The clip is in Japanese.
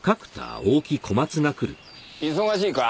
忙しいか？